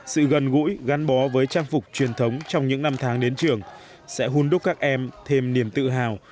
sự gần gũi gắn bó với trang phục truyền thống trong những năm tháng đến trường sẽ hôn đúc các em thêm niềm tự hào